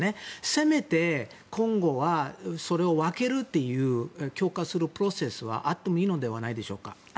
せめて、今後はそれを分けるという強化するプロセスはあってもいいのではないでしょうか。